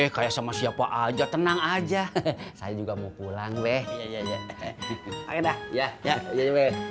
kayak sama siapa aja tenang aja saya juga mau pulang deh ya ya ya ya ya